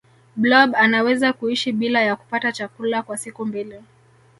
blob anaweza kuishi bila ya kupata chakula kwa siku mbili